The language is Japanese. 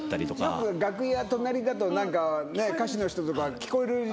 よく楽屋隣だと歌手の人とか聞こえるじゃない。